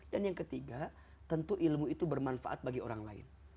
dan yang ketiga tentu ilmu itu bermanfaat bagi orang lain